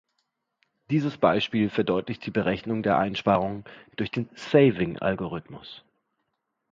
Dieses Beispiel verdeutlicht die Berechnung der Einsparungen durch den Saving-Algorithmus.